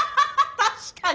確かに。